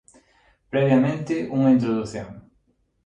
Previamente, unha introdución.